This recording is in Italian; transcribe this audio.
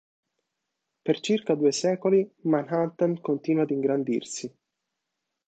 Per circa due secoli Manhattan continua ad ingrandirsi.